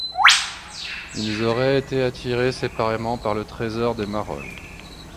Ils auraient été attirés séparément par le trésor des Marolles.